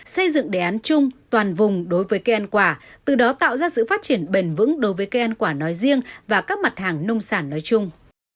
xây dựng đề án chung toàn vùng đối với cây ăn quả từ đó tạo ra sự phát triển bền vững đối với cây ăn quả nói riêng và các mặt hàng nông sản nói chung